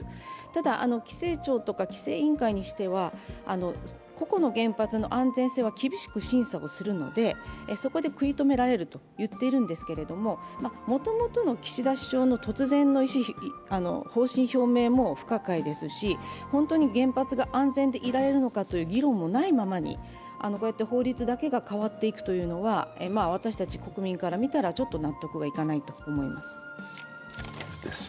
ただ規制庁とか規制委員会にしては、個々の原発の安全性は厳しく審査をするのでそこで食い止められると言っているんですけどもともとの岸田首相の突然の方針表明も不可解ですし本当に原発が安全でいられるのかという議論もないままにこうやって法律だけが変わっていくというのは私たち国民から見たらちょっと納得がいかないと思います。